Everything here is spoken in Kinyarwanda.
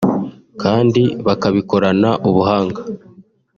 kandi bakabikorana ubuhanga